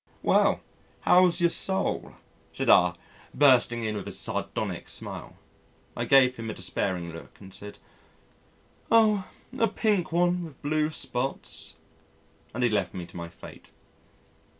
"Well, how's your soul?" said R , bursting in with a sardonic smile. I gave him a despairing look and said: "Oh! a pink one with blue spots," and he left me to my fate.